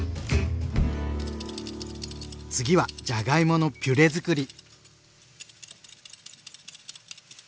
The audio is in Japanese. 次はじゃがいものピュレづくり。